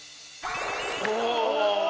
お！